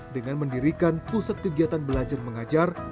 dengan mendirikan pusat kegiatan belajar mengajar